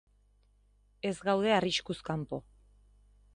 Ez gaude arriskuz kanpo.